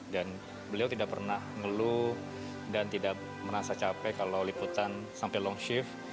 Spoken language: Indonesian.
dan beliau tidak pernah ngeluh dan tidak merasa capek kalau liputan sampai long shift